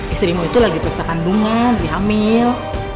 istrimu itu lagi periksa kandungan dihamil